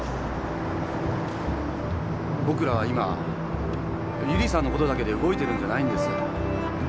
僕らは今由里さんのことだけで動いてるんじゃないんです。